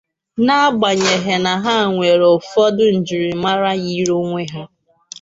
n'agbanyeghị na ha nwere ụfọdụ njirimara yiri onwe ha